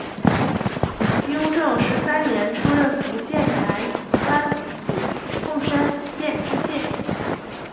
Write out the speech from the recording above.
雍正十三年出任福建台湾府凤山县知县。